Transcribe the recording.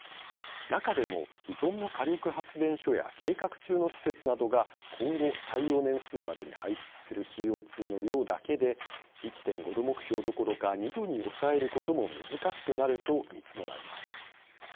中でも、既存の火力発電所や計画中の施設などが今後、耐用年数までに排出するＣＯ２の量だけで１．５℃目標どころか２℃に抑えることも難しくなると見積もられました。